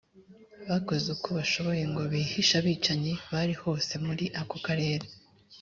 bakoze uko bashoboye ngo bihishe abicanyi bari hose muri ako karere